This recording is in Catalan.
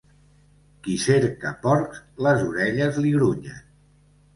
Qui cerca porcs, les orelles li grunyen.